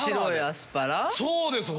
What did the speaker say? そうです！